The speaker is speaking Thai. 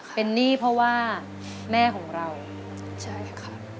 เป็นหนี้เพราะว่าแม่ของเราใช่ค่ะ